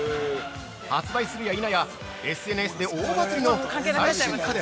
発売するやいなやＳＮＳで大バズリの最新家電